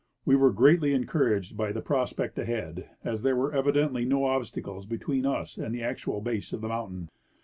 We were greatly encouraged by the prospect ahead, as there were evidently no obstacles between us and the actual base of the mountain.